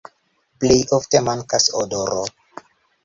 Plej ofte mankas odoro.